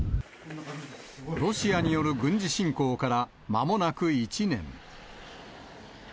ロシアによる軍事侵攻からまもなく１年。